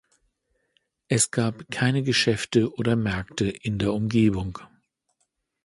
Es gab keine Geschäfte oder Märkte in der Umgebung.